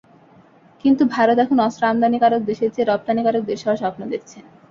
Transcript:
কিন্তু ভারত এখন অস্ত্র আমদানিকারক দেশের চেয়ে রপ্তানিকারক দেশ হওয়ার স্বপ্ন দেখছে।